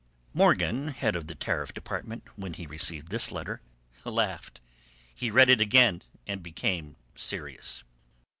Morgan, head of the Tariff Department, when he received this letter, laughed. He read it again and became serious.